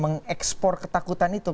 mengekspor ketakutan itu ke